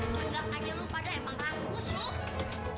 tenggam aja lu pada emang langkus loh